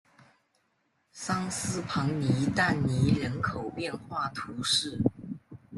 桑斯旁圣但尼人口变化图示